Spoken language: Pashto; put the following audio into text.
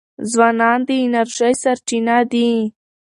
ځوانان د انرژی سرچینه دي.